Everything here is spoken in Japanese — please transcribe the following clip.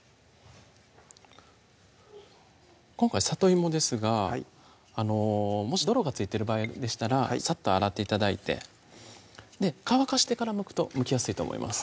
今回さといもですがもし泥が付いてる場合でしたらサッと洗って頂いて乾かしてからむくとむきやすいと思います